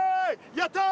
やったー！